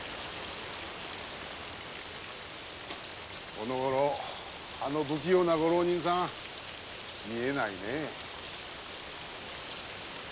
この頃あの不器用なご浪人さん見えないねぇ。